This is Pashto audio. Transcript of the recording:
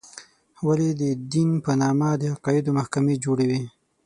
ولې د دین په نامه د عقایدو محکمې جوړې وې.